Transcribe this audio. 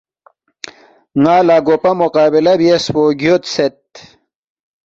ن٘ا لہ گوپا مقابلہ بیاسفو گیودسید